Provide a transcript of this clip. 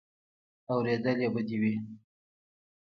اورېدلې به دې وي.